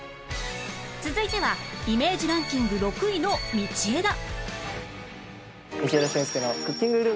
続いてはイメージランキング６位の道枝へようこそ。